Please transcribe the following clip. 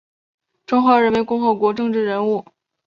中华人民共和国政治人物。